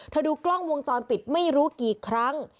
ดูกล้องวงจรปิดไม่รู้กี่ครั้ง